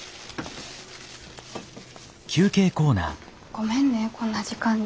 ごめんねこんな時間に。